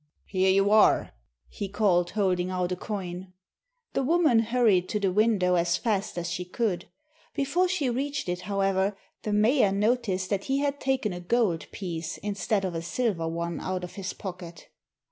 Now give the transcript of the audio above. "Here you are, he called, holding out a coin. The woman hurried to the window as fast as she could. Before she reached it, however, the mayor noticed that he had taken a gold piece instead of a silver one out of his pocket.